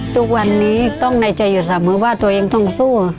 ทุกวันนี้ต้องในใจอยู่เสมอว่าตัวเองต้องสู้